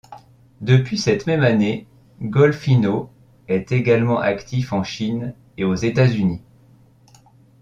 Depuis cette même année, Golfino est également actif en Chine et aux États-Unis.